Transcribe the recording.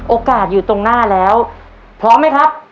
โอกาสอยู่ตรงหน้าแล้วพร้อมไหมครับ